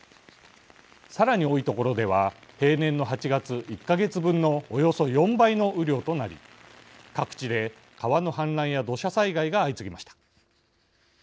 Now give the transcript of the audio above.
さらに多い所では平年の８月１か月分のおよそ４倍の雨量となり各地で川の氾濫や土砂災害が相次ぎました。